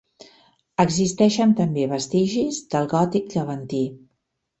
Existeixen també vestigis del gòtic llevantí.